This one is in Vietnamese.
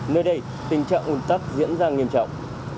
nơi đây tình trạng ủn tắc diễn ra nghiêm trọng